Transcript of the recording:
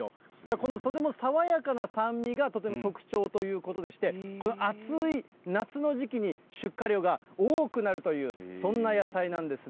このとても爽やかな酸味が、とても特徴ということでして、この暑い夏の時期に出荷量が多くなるという、そんな野菜なんですね。